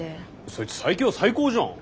そいつ最強最高じゃん！